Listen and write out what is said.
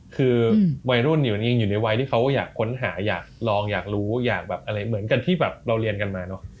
คือวัยรุ่นเนี่ยมันยังอยู่ในวัยที่เขาอยากค้นหาอยากลองอยากรู้อยากแบบอะไรเหมือนกันที่แบบเราเรียนกันมาเนอะ